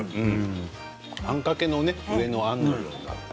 あんかけの上のあんのような。